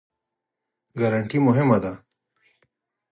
ګارنټي مهمه دی؟